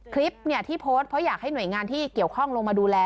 คลิปที่โพสต์เพราะอยากให้หน่วยงานที่เกี่ยวข้องลงมาดูแล